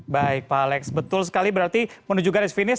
baik pak alex betul sekali berarti menuju garis finish